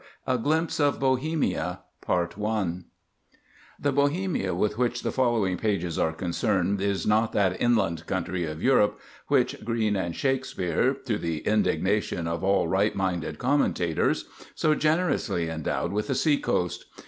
A Glimpse of Bohemia A Glimpse of Bohemia The Bohemia with which the following pages are concerned is not that inland country of Europe which Greene and Shakspere, to the indignation of all right minded commentators, so generously endowed with a sea coast.